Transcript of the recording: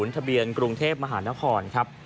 ทะเบียนกรุงเทพมหานครครับ